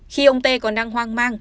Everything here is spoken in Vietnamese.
khi ông tê còn đang hoang mang